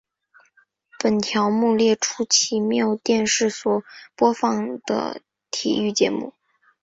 本条目列出奇妙电视所播放的体育节目。